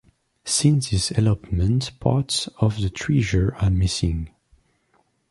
Since this elopement parts of the treasure are missing.